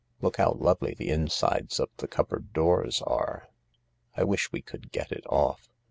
Look how lovely the insides of the cupboard doors are. I wish we could get it off.